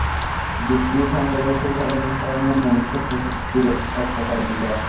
যুক্তিও সমভাবে সেই সাধারণ কারণের, মনুষ্য-প্রকৃতির একপ্রকার বিকাশ।